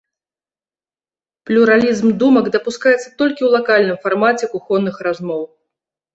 Плюралізм думак дапускаецца толькі ў лакальным фармаце кухонных размоў.